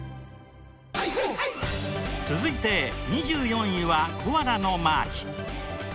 続いて２４位はコアラのマーチ。